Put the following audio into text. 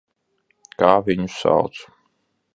Kā viņu sauc?